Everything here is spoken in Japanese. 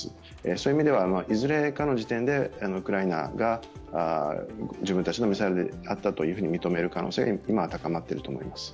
そういう意味では、いずれかの時点でウクライナが自分たちのミサイルであったと認める可能性は今は高まっていると思います。